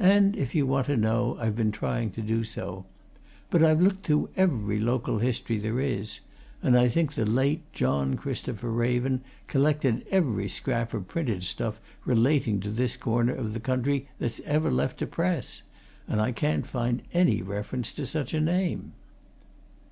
"And if you want to know, I've been trying to do so. But I've looked through every local history there is and I think the late John Christopher Raven collected every scrap of printed stuff relating to this corner of the country that's ever left a press and I can't find any reference to such a name."